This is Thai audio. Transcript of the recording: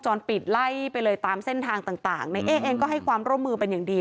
ตรงใกล้ตามแสดงเวลาเมื่อกี้